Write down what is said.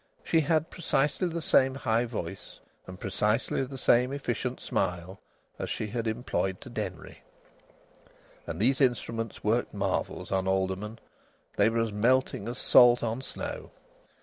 She had precisely the same high voice, and precisely the same efficient smile, as she had employed to Denry, and these instruments worked marvels on aldermen; they were as melting as salt on snow.